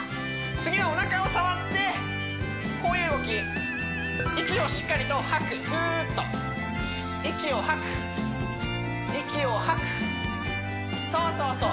次はおなかを触ってこういう動き息をしっかりと吐くふーっと息を吐く息を吐くそうそう